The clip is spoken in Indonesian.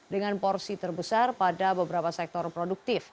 dengan porsi terbesar pada beberapa sektor produktif